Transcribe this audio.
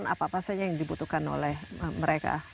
apa apa saja yang dibutuhkan oleh mereka